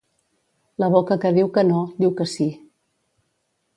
La boca que diu que no, diu que sí.